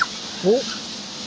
おっ。